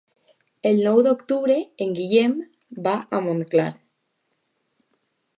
El nou d'octubre en Guillem va a Montclar.